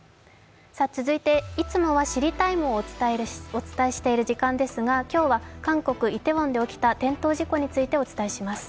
続いていつもは「知りＴＩＭＥ，」をお伝えしている時間ですが今日は韓国イテウォンで起きた転倒事故についてお伝えします。